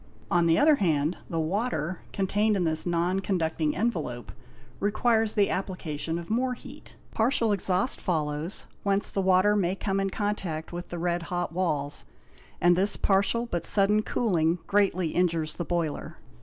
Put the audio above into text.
On the other hand the water, contained in this non conducting envelope, requires the application of more heat. Partial exhaust follows, whence the water "may come in contact with the red hot walls, and this partial but sudden 109 866 BOILER EXPLOSIONS cooling greatly injures the boiler.